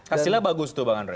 hasilnya bagus tuh bang andre